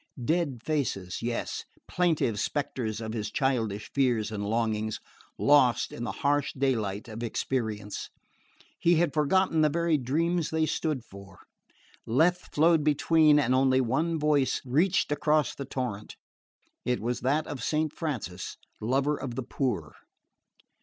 Dead faces, yes: plaintive spectres of his childish fears and longings, lost in the harsh daylight of experience. He had forgotten the very dreams they stood for: Lethe flowed between and only one voice reached across the torrent. It was that of Saint Francis, lover of the poor...